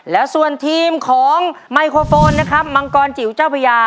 แล้วส่วนทีมของไมโครโฟนนะครับมังกรจิ๋วเจ้าพญา